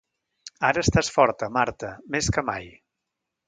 Ara estàs forta, Marta, més que mai.